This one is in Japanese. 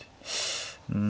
うん。